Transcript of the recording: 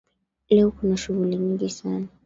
Leo kuna shughuli nyingi sana.